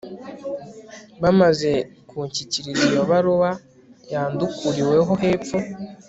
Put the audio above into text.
bamaze kunshyikiriza iyo baruwa yandukuriwe hepfo